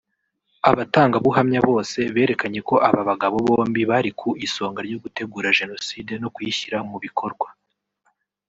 Abatangabuhamya bose berekanye ko aba bagabo bombi bari ku isonga ryo gutegura Jenoside no kuyishyira mu bikorwa